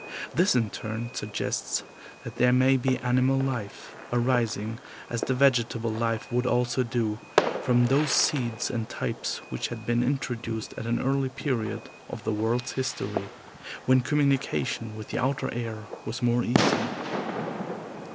This in turn suggests that there may be animal life, arising, as the vegetable life would also do, from those seeds and types which had been introduced at an early period of the world's history, when communication with the outer air was more easy.